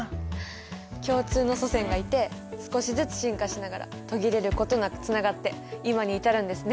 共通の祖先がいて少しずつ進化しながら途切れることなくつながって今に至るんですね。